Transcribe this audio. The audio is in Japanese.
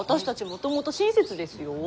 もともと親切ですよ。